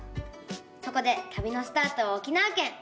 そこでたびのスタートは沖縄県。